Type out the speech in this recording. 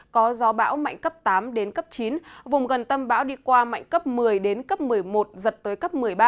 có gió bão mạnh cấp tám đến cấp chín vùng gần tâm bão đi qua mạnh cấp một mươi đến cấp một mươi một giật tới cấp một mươi ba